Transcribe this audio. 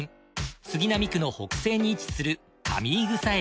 杉並区の北西に位置する上井草駅。